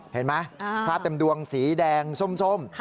เห็นไหมพระเต็มดวงสีแดงส้ม